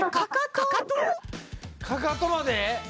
かかとまで？